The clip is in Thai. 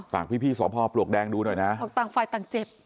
ฝากพี่พี่สพปลวกแดงดูหน่อยนะบอกต่างฝ่ายต่างเจ็บ